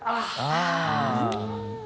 ああ。